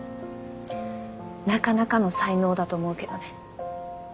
なかなかの才能だと思うけどね。